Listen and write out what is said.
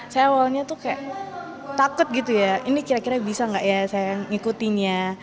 saya awalnya tuh kayak takut gitu ya ini kira kira bisa nggak ya saya ngikutinya